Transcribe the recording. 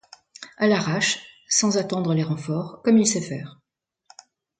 À l’arrache, sans attendre les renforts, comme il sait faire.